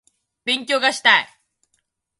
勉強がしたい